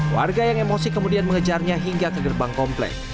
warga yang emosi kemudian mengejarnya hingga ke gerbang komplek